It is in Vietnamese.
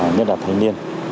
nhất là thanh niên